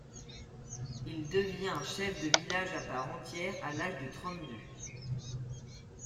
Il devient chef de village à part entière à l'âge de trente-deux.